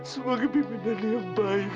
sebagai pimpinan yang baik